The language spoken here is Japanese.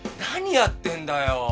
何やってんだよ？